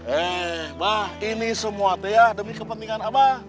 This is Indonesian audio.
eh bang ini semua teh ya demi kepentingan abah